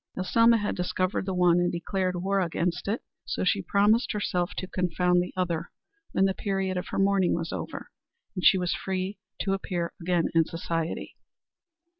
As Selma had discovered the one and declared war against it, so she promised herself to confound the other when the period of her mourning was over, and she was free to appear again in society.